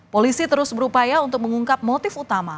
polisi terus berupaya untuk mengungkap motif utama